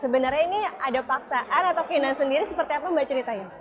sebenarnya ini ada paksaan atau keinan sendiri seperti apa mbak ceritanya